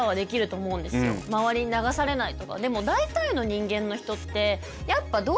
周りに流されないとか。